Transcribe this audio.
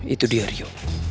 itu dia rio